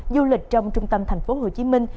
du lịch trong trung tâm thành phố hồ chí minh